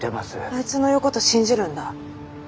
あいつの言うこと信じるんだ？